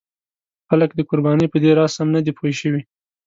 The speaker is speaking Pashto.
خلک د قربانۍ په دې راز سم نه دي پوه شوي.